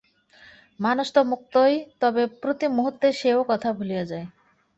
মানুষ তো মুক্তই, তবে প্রতি মুহূর্তে সে এ-কথা ভুলিয়া যায়।